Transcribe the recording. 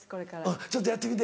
ちょっとやってみて。